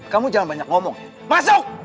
kamu jangan banyak ngomong masuk